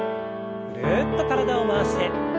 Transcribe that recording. ぐるっと体を回して。